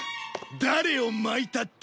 誰をまいたって？